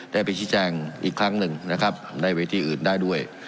ได้ไปชี้แจงอีกครั้งหนึ่งนะครับในเวทีอื่นได้ด้วย